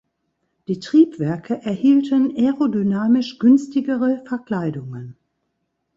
Die Triebwerke erhielten aerodynamisch günstigere Verkleidungen.